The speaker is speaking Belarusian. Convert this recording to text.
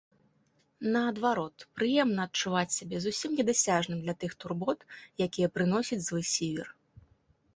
Наадварот, прыемна адчуваць сябе зусім недасяжным для тых турбот, якія прыносіць злы сівер.